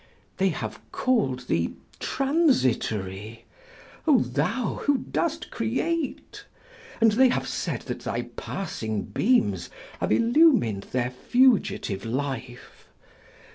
They have called thee transitory, O thou who dost create! And they have said that thy passing beams have illumined their fugitive life.